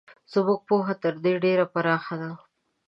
زموږ پوهه تر دې ډېره پراخه ده.